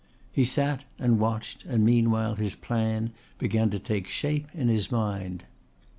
He sat and watched and meanwhile his plan began to take shape in his mind.